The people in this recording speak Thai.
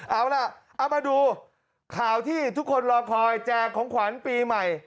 เอาล่ะเอามาดูข่าวที่ทุกคนรอคอยแจกของขวัญปีใหม่